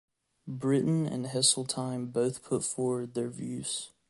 Brittan and Heseltine both put forward their views.